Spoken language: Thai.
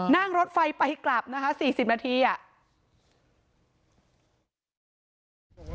นั่งรถไฟไปกลับนะคะฝีสินนาทีอะ